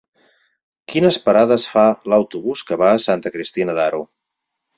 Quines parades fa l'autobús que va a Santa Cristina d'Aro?